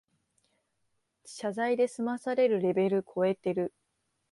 謝罪で済まされるレベルこえてる